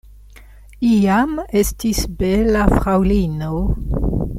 Iam estis bela fraŭlino.